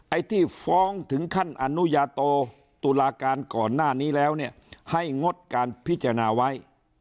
ไอ้ที่ฟ้องถึงขั้นอนุญาโตตุลาการก่อนหน้านี้แล้วเนี่ยให้งดการพิจารณาไว้